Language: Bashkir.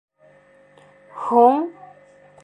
Һуң...